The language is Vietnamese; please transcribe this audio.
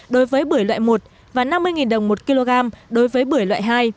đối với bưởi loại một và năm mươi đồng một kg đối với bưởi loại hai